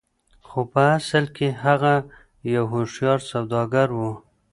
خو په اصل کې هغه يو هوښيار سوداګر و.